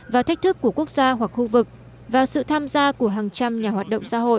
và thách thức của quốc gia hoặc khu vực và sự tham gia của hàng trăm nhà hoạt động xã hội